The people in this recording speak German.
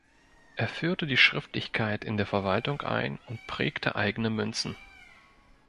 Er führte die Schriftlichkeit in der Verwaltung ein und prägte eigene Münzen.